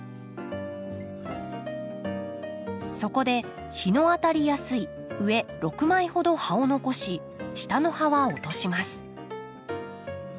そこで日の当たりやすい上６枚ほど葉を残し下の葉は落とします。